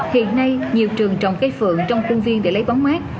hiện nay nhiều trường trồng cây phượng trong khuôn viên để lấy bóng mát